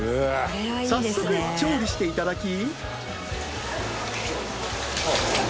［早速調理していただき］